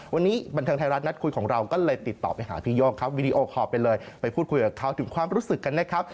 วันนี้บันเทิงไทยรัฐนัดคุยของเราก็เลยติดต่อไปหาพี่โย่งครับวีดีโอคอลไปเลยไปพูดคุยกับเขาถึงความรู้สึกกันนะครับ